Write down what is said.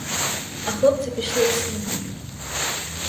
А хлопці пішли у свій бік.